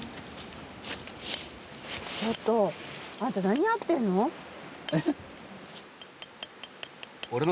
ちょっとあんた何やってんの？